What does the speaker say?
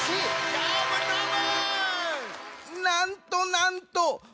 どーもどーも！